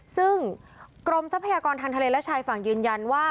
ซึ่งกรมทรัพยากรทางทะเลและชายฝั่งยืนยันว่า